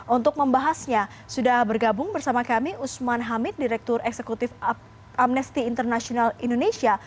untuk membahasnya sudah bergabung bersama kami usman hamid direktur eksekutif amnesty international indonesia